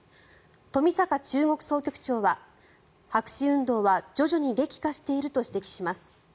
冨坂中国総局長は白紙運動は、徐々に激化していると指摘します。